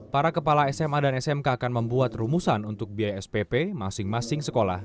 para kepala sma dan smk akan membuat rumusan untuk biaya spp masing masing sekolah